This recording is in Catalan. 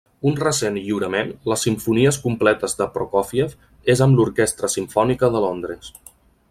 Un recent lliurament, les simfonies completes de Prokófiev, és amb l'Orquestra Simfònica de Londres.